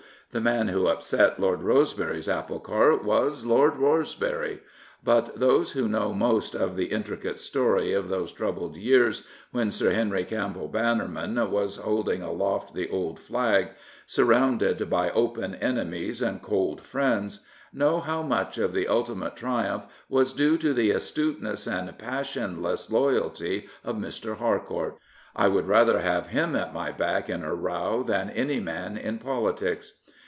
The man who upset Lord Rose bery's apple cart was — Lord Rosebery. But those who know^ most of the intricate story of those troubled years when Sir Henry Campbell Bannerman was holding aloft the old flag, surrounded by open enemies and cold friends, know how much of the ultimate triumph was due to the astuteness and passionless loyalty of Mr. Harcourt. I would rather have him at my back in a row than any man in politics.